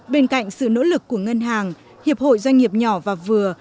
bên cạnh sự nỗ lực của ngân hàng hiệp hội doanh nghiệp nhỏ và vừa